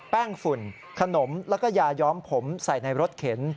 ฝุ่นขนมแล้วก็ยาย้อมผมใส่ในรถเข็น